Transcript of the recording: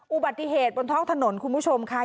อุบัติเหตุบนท้องถนนคุณผู้ชมค่ะ